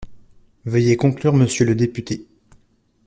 Veuillez conclure, monsieur le député.